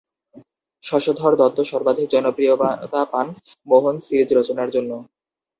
শশধর দত্ত সর্বাধিক জনপ্রিয়তা পান মোহন সিরিজ রচনার জন্য।